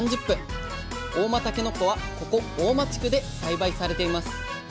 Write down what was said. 合馬たけのこはここ合馬地区で栽培されています